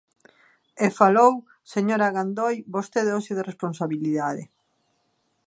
E falou, señora Gandoi, vostede hoxe de responsabilidade.